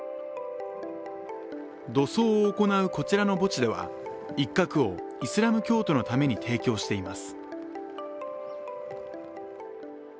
土葬を行うこちらの墓地では一画をイスラム教徒のために提供しています。